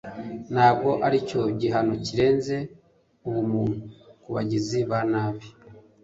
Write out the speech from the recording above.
ntabwo aricyo gihano kirenze ubumuntu kubagizi ba nabi